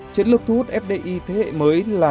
chiến lược thu hút fdi thế hệ mới là